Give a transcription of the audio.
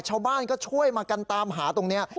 ชาวบ้านก็ช่วยมากันตามหาตรงนี้